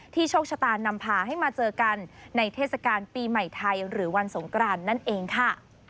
โชคชะตานำพาให้มาเจอกันในเทศกาลปีใหม่ไทยหรือวันสงกรานนั่นเองค่ะ